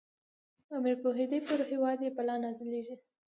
امیر پوهېدی پر هیواد یې بلا نازلیږي.